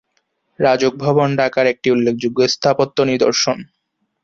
রাজউক ভবন ঢাকার একটি উল্লেখযোগ্য স্থাপত্য নিদর্শন।